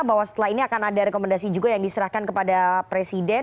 bahwa setelah ini akan ada rekomendasi juga yang diserahkan kepada presiden